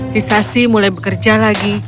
hisashi mulai bekerja lagi